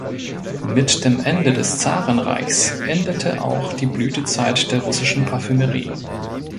Mit dem Ende des Zarenreichs endete auch die Blütezeit der russischen Parfümerie.